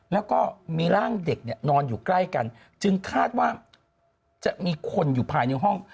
แล้วก็มีร่างเด็กเนี่ยนอนอยู่ใกล้กันจึงคาดว่าจะมีคนอยู่ภายในห้อง